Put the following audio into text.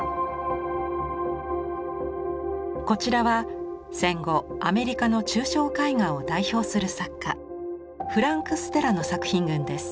こちらは戦後アメリカの抽象絵画を代表する作家フランク・ステラの作品群です。